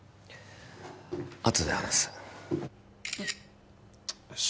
あとで話すよし